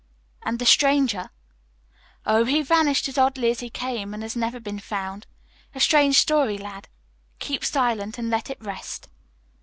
"And the stranger?" "Oh, he vanished as oddly as he came, and has never been found. A strange story, lad. Keep silent, and let it rest."